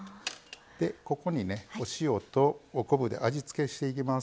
ここに、お塩と昆布で味付けしていきます。